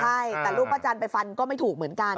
ใช่แต่รูปป้าจันทร์ไปฟันก็ไม่ถูกเหมือนกัน